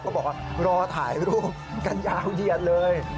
ก็บอกหรอถ่ายรูปเยียดเลย